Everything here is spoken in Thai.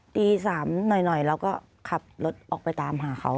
ตี๓หน่อยเราก็ขับรถออกไปตามหาเขา